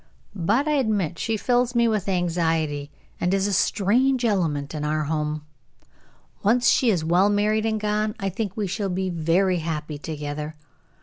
But I admit she fills me with anxiety, and is a strange element in our home. Once she is well married and gone, I think we shall be very happy together.